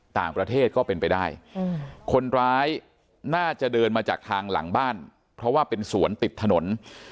ต่างประเทศก็เป็นไปได้คนร้ายน่าจะเดินมาจากทางหลังบ้านเพราะว่าเป็นสวนติดถนน